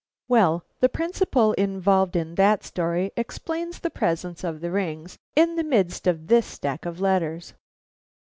"Well, the principle involved in that story explains the presence of the rings in the midst of this stack of letters.